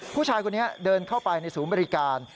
ผู้ชายคนนี้เดินเข้าไปในศูนย์บริการ